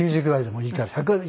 ９０ぐらいでもいいから。